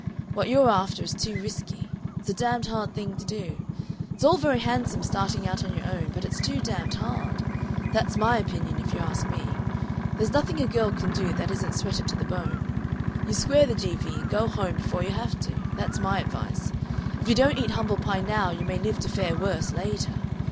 What you're after is too risky. It's a damned hard thing to do. It's all very handsome starting out on your own, but it's too damned hard. That's my opinion, if you ask me. There's nothing a girl can do that isn't sweated to the bone. You square the G.V., and go home before you have to. That's my advice. If you don't eat humble pie now you may live to fare worse later.